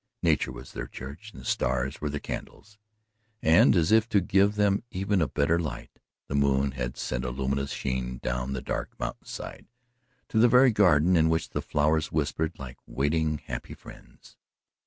Nature was their church and stars were their candles. And as if to give them even a better light, the moon had sent a luminous sheen down the dark mountainside to the very garden in which the flowers whispered like waiting happy friends.